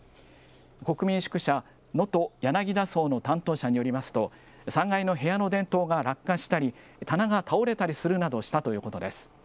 国民宿舎能登やなぎだ荘の担当者によりますと、３階の部屋の電灯が落下したり、棚が倒れたりするなどしたということです。